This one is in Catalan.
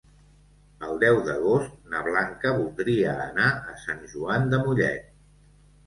El deu d'agost na Blanca voldria anar a Sant Joan de Mollet.